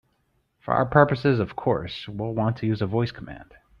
For our purposes, of course, we'll want to use a voice command.